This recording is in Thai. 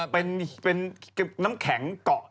เป็นน้ำแข็งเกาะ